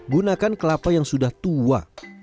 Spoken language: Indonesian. gunakan kelapa yang sudah tua